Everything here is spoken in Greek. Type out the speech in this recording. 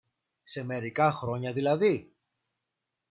Σε μερικά χρόνια δηλαδή;